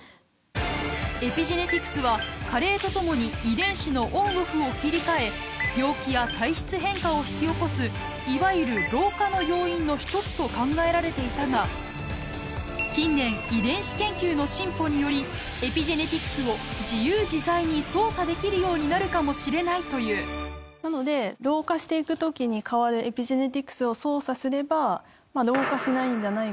エピジェネティクスは加齢とともに遺伝子のオン・オフを切り替え病気や体質変化を引き起こすいわゆる老化の要因の一つと考えられていたが近年遺伝子研究の進歩によりエピジェネティクスを自由自在に操作できるようになるかもしれないというなので。ということがいわれてるんですね。